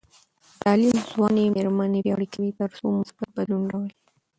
تعلیم ځوانې میرمنې پیاوړې کوي تر څو مثبت بدلون راولي.